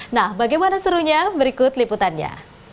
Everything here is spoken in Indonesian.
nah bagaimana serunya berikut liputannya